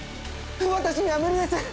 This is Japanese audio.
私には無理です！